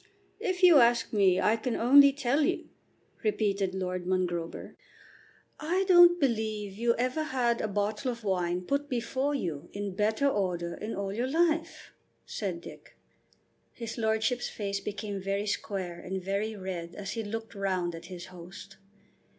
"If you ask me, I can only tell you," repeated Lord Mongrober. "I don't believe you ever had a bottle of wine put before you in better order in all your life," said Dick. His lordship's face became very square and very red as he looked round at his host.